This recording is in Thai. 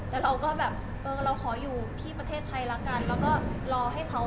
แล้วเราก็แบบเออเราขออยู่ที่ประเทศไทยละกันแล้วก็รอให้เขา